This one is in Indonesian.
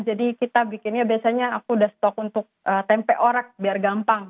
jadi kita bikinnya biasanya aku udah stok untuk tempe orek biar gampang